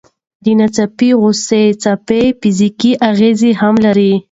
د ناڅاپه غوسې څپې فزیکي اغېزې هم لري.